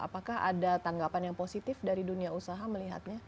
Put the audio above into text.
apakah ada tanggapan yang positif dari dunia usaha melihatnya